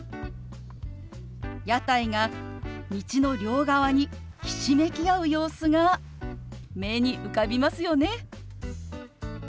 屋台が道の両側にひしめき合う様子が目に浮かびますよね。